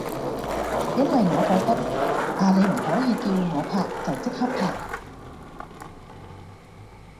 因為我覺得呀你唔可以叫我拍就即刻拍